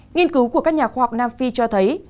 nghiên cứu của các nhà khoa học nam phi cho thấy